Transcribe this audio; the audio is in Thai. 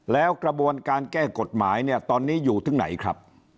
แล้วกระบวนการแก้กฎหมายเนี่ยตอนนี้อยู่ถึงไหนครับ